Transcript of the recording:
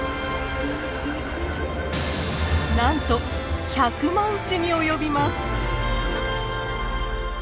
なんと１００万種に及びます。